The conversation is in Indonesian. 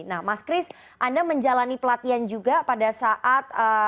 nah mas kris anda menjalani pelatihan juga pada saat